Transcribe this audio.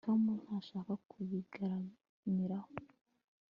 tom ntashaka kubiganiraho